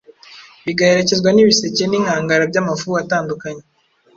Bigaherekezwa n’ibiseke n’inkangara by’amafu atandukanye